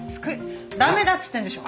駄目だっつってんでしょ。